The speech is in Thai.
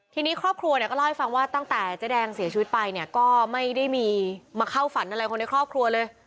ทีนี้ครอบครัวเนี่ยก็เล่าให้ฟังว่าตั้งแต่เจ๊แดงเสียชีวิตไปเนี่ยก็ไม่ได้มีมาเข้าฝันอะไรคนในครอบครัวเลย